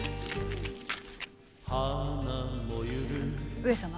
上様。